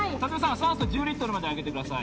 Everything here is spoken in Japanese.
酸素１０リットルまで上げてください